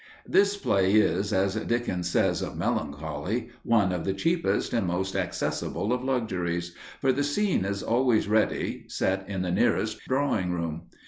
This play is, as Dickens says of melancholy, "one of the cheapest and most accessible of luxuries," for the scene is always ready, set in the nearest drawing room.